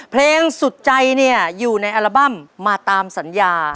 เพลงสุดใจเนี่ยอยู่ในอัลบั้มมาตามสัญญา